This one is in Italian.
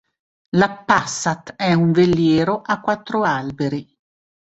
La "Passat" è un veliero a quattro alberi.